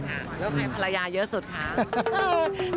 แล้วใครภรรยาเยอะสุดค่ะ